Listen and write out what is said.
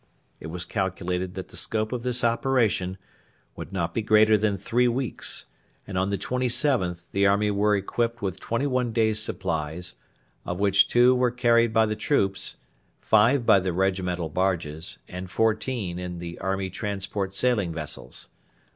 It was calculated that the scope of this operation would not be greater than three weeks, and on the 27th the army were equipped with twenty one days' supplies, of which two were carried by the troops, five by the regimental barges, and fourteen in the army transport sailing vessels.